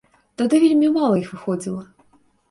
Тады вельмі мала іх выходзіла.